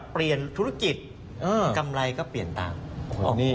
เปลี่ยนธุรกิจกำไรก็เปลี่ยนตาม